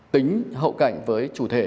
tính hậu cảnh với chủ thể